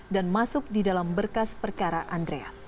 dan masuk di dalam berkas perkara andreas